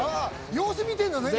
様子見てんだよ。